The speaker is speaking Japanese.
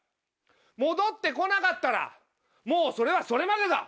戻って来なかったらもうそれはそれまでだ。